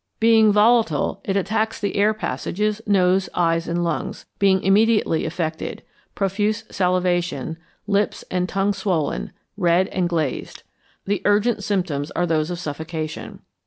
_ Being volatile, it attacks the air passages, nose, eyes and lungs, being immediately affected; profuse salivation; lips and tongue swollen, red, and glazed. The urgent symptoms are those of suffocation.